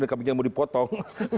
dan kambingnya mau dipotong